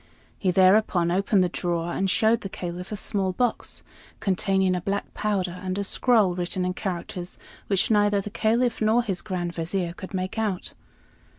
He thereupon opened the drawer and showed the Caliph a small box, containing a black powder and a scroll written in characters which neither the Caliph nor his Grand Vizier could make out.